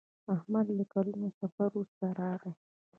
احمد له کلونو سفر وروسته راغی.